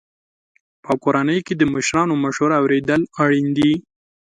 په کورنۍ کې د مشرانو مشوره اورېدل اړین دي.